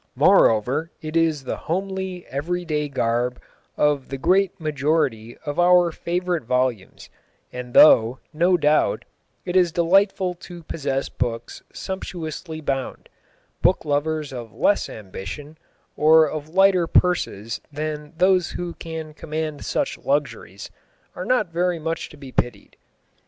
Moreover, it is the homely, everyday garb of the great majority of our favourite volumes, and though, no doubt, it is delightful to possess books sumptuously bound, book lovers of less ambition, or of lighter purses than those who can command such luxuries, are not very much to be pitied.